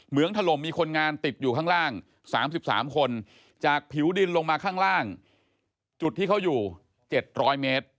เมืองถล่มมีคนงานติดอยู่ข้างล่าง๓๓คนจากผิวดินลงมาข้างล่างจุดที่เขาอยู่๗๐๐เมตร